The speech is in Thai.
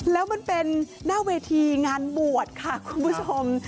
แล้วมันเป็นหน้าเวทีงานบวชค่ะคุณผู้ชม